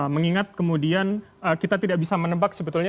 mengingat kemudian kita tidak bisa menebak sebetulnya